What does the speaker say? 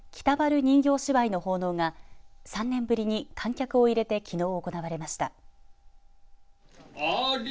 人形芝居の奉納が３年ぶりに観客を入れてきのう行われました。